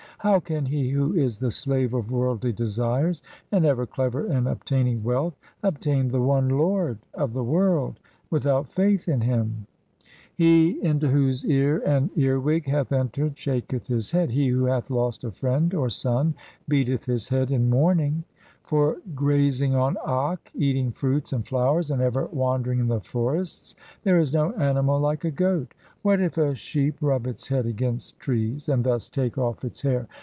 How can he who is the slave of worldly desires and ever clever in obtaining wealth, obtain the one Lord of the world without faith in Him ? He into whose ear an earwig hath entered shaketh his head ; he who hath lost a friend or son beateth his head in mourning. For grazing on akk, eating fruits and flowers, and ever wandering in the forests, there is no animal like a goat. What if a sheep rub its head against trees and thus take off its hair